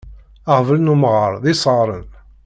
Aɣbel n umɣaṛ d isɣaṛen.